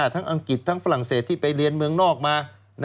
อังกฤษทั้งฝรั่งเศสที่ไปเรียนเมืองนอกมา